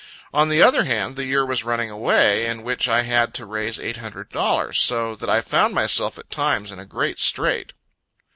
On the other hand, the year was running away, in which I had to raise eight hundred dollars. So that I found myself at times in a great strait.